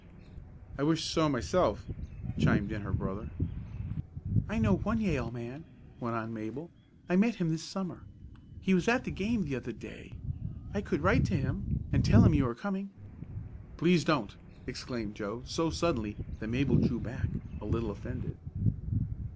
"I wish so myself," chimed in her brother. "I know one Yale man," went on Mabel. "I met him this Summer. He was at the game the other day. I could write to him, and tell him you are coming." "Please don't!" exclaimed Joe so suddenly that Mabel drew back, a little offended.